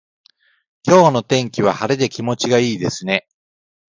今日の天気は晴れで気持ちがいいですね。